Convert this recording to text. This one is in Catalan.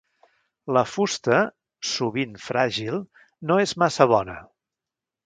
La fusta, sovint fràgil, no és massa bona.